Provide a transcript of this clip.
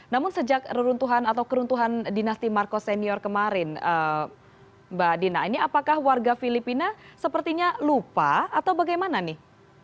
namun sejak reruntuhan atau keruntuhan dinasti marcos senior kemarin mbak dina ini apakah warga filipina sepertinya lupa atau bagaimana nih